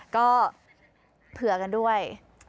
ก็เผื่อกันด้วย